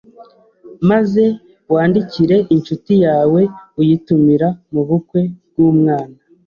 maze wandikire inshuti yawe uyitumira mu bukwe bw’ umwana